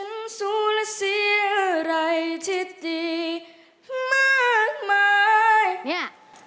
นี่